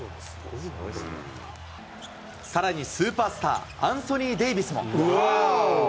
さらに、スーパースター、アンソニー・デイビスも。